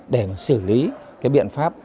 để xử lý cái biện pháp